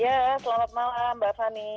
ya selamat malam mbak fani